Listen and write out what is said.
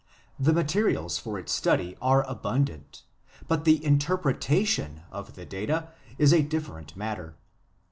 The materials for its study are abundant ; but the interpretation of the data is a different matter.